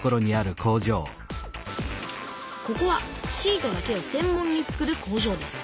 ここはシートだけをせん門につくる工場です。